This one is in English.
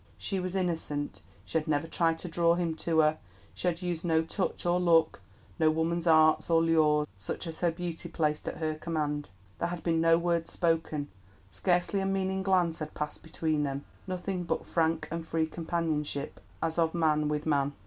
She was innocent, she had never tried to draw him to her; she had used no touch or look, no woman's arts or lures such as her beauty placed at her command. There had been no word spoken, scarcely a meaning glance had passed between them, nothing but frank and free companionship as of man with man.